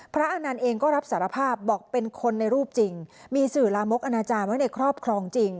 อานันต์เองก็รับสารภาพบอกเป็นคนในรูปจริงมีสื่อลามกอนาจารย์ไว้ในครอบครองจริง